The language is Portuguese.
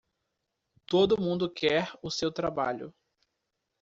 Todo mundo quer o seu trabalho.